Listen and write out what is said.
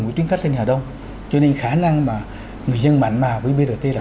với tuyến khách lên hà đông cho nên khả năng mà người dân mạnh mà với brt là